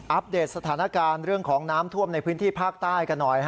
เดตสถานการณ์เรื่องของน้ำท่วมในพื้นที่ภาคใต้กันหน่อย